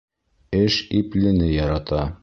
Эш иплене ярата.